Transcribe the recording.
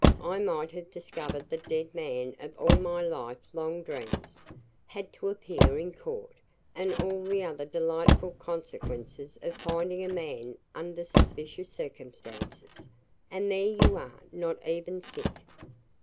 I might have discovered the dead man of all my life long dreams had to appear in court, and all the other delightful consequences of finding a man under suspicious circumstances; and there you are not even sick.